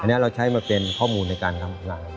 อันนี้เราใช้มาเป็นข้อมูลในการทำงาน